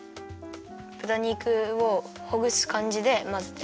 ぶた肉をほぐすかんじでまぜて。